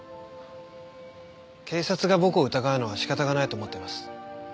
警察が僕を疑うのは仕方がないと思ってます。